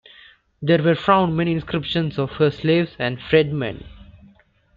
There were found many inscriptions of her slaves and freedmen.